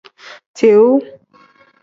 Tiu.